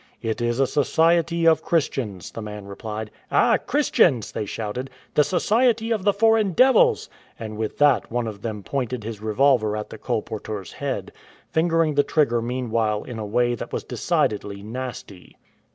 "It is a society of Christians," the man replied. " Ah ! Christians !" they shouted, " the society of the foreign devils "; and with that one of them pointed his revolver at the colporteur's head, fingering the trigger meanwhile in a way that was decidedly nasty.